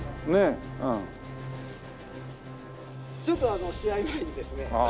ちょっとあの試合前にですね